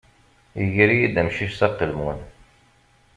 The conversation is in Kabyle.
Iger-iyi-d amcic s aqelmun.